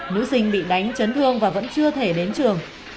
nữ sinh bị đánh chấn thương và vẫn chưa thể đến trường